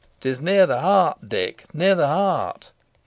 'Tis near the heart, Dick near the heart.